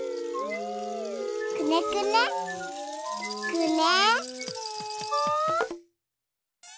くねくねくね。